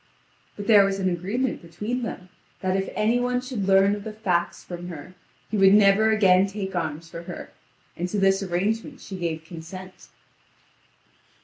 But there was an agreement between them that if any one should learn of the facts from her, he would never again take arms for her, and to this arrangement she gave consent.